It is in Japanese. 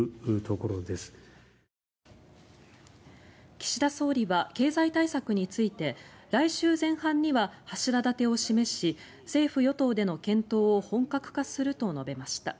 岸田総理は経済対策について来週前半には柱立てを示し政府・与党での検討を本格化すると述べました。